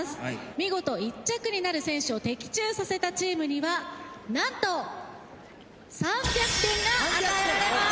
見事１着になる選手を的中させたチームにはなんと３００点が与えられます。